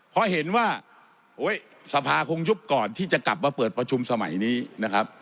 เพราะเห็นว่าสภาคงยุบก่อนที่จะกลับมาเปิดประชุมสมัยนี้นะครับ